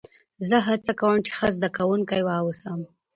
زه هڅه کوم، چي ښه زدهکوونکی واوسم.